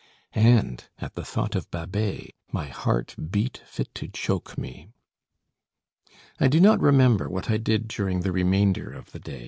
And, at the thought of Babet, my heart beat fit to choke me. I do not remember what I did during the remainder of the day.